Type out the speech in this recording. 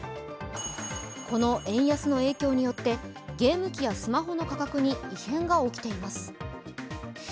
この円安の影響によってゲーム機やスマホの価格に異変が起きています。